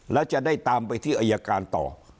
แล้วจะได้ตามไปที่อายการต่อ